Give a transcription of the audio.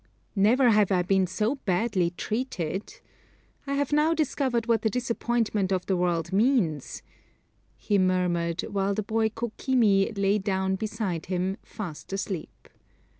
"Never have I been so badly treated. I have now discovered what the disappointment of the world means," he murmured, while the boy Kokimi lay down beside him fast asleep.